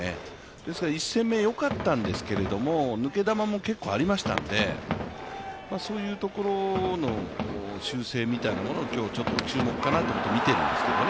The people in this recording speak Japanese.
ですから１戦目、よかったんですけど抜け玉も結構ありましたのでそういうところの修正みたいなもの、今日ちょっと注目かなと見ているんですけどね